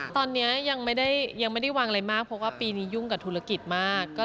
ตอนนี้ยังไม่ได้ยังไม่ได้วางอะไรมากเพราะว่าปีนี้ยุ่งกับธุรกิจมาก